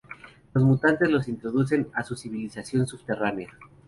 Los mutantes los introducen a su civilización subterránea.